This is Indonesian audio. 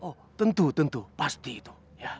oh tentu tentu pasti itu